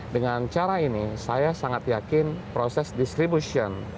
dengan cara ini saya sangat yakin proses distribution